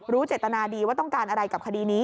เจตนาดีว่าต้องการอะไรกับคดีนี้